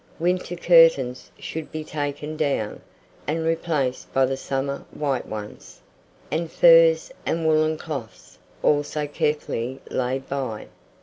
Winter curtains should be taken down, and replaced by the summer white ones; and furs and woollen cloths also carefully laid by.